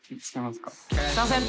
すみません。